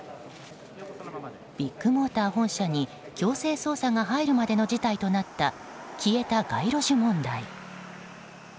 ビッグモーター本社に強制捜査が入るまでの事態となった消えた街路樹問題。